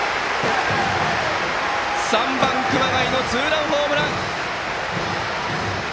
３番、熊谷のツーランホームラン！